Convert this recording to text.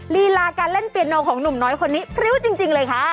ลีลาการเล่นเปียโนของหนุ่มน้อยคนนี้พริ้วจริงเลยค่ะ